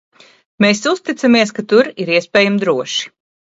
Mēs uzticamies, ka tur ir iespējami droši.